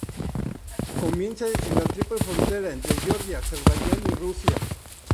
Comienza en la triple frontera entre Georgia, Azerbaiyán y Rusia.